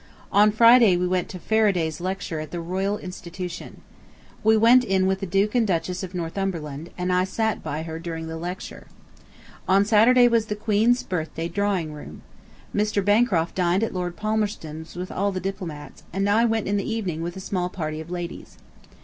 On Friday we went to Faraday's lecture at the Royal Institution. We went in with the Duke and Duchess of Northumberland, and I sat by her during the lecture. On Saturday was the Queen's Birthday Drawing Room. ... Mr. Bancroft dined at Lord Palmerston's with all the diplomats, and I went in the evening with a small party of ladies.